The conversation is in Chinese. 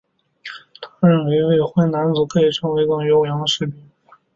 他认为未婚男子可以成为更优良的士兵。